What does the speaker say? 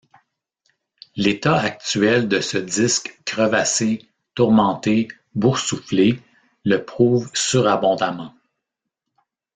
L’état actuel de ce disque crevassé, tourmenté, boursouflé, le prouve surabondamment.